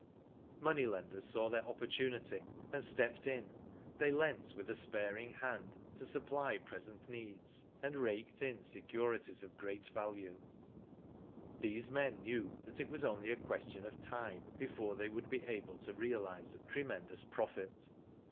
Money lenders saw their opportunity, and stepped in. They lent with a sparing hand to supply present needs, and raked in securities of great value. Digitized byGoogk «o6 WHO DID ITf These men knew that it was only a question of time before they would be able to realise at tremendous profit.